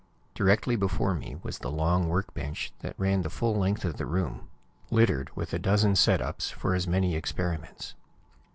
Directly before me was the long work bench that ran the full length of the room, littered with a dozen set ups for as many experiments.